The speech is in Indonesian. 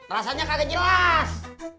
rasanya kagak jelas